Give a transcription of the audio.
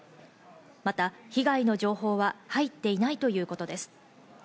また被害の情報は入っていないということです。